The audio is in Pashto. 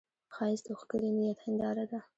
ښایست د ښکلي نیت هنداره ده